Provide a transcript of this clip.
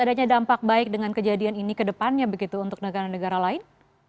adanya dampak baik dengan kejadian ini ke depannya begitu untuk negara negara lain